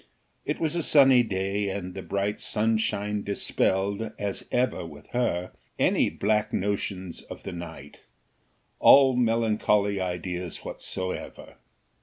It was a sunny day, and the bright sunshine dispelled, as ever with her, any black notions of the night, all melancholy ideas whatsoever.